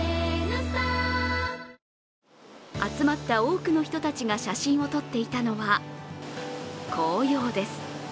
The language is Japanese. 集まった多くの人たちが写真を撮っていたのは紅葉です。